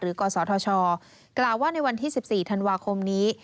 กศธชกล่าวว่าในวันที่๑๔ธันวาคมนี้